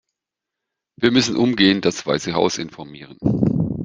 Wir müssen umgehend das Weiße Haus informieren.